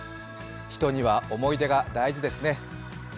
人には思い出が大事ですね。